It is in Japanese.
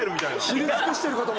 知り尽くしてるかと。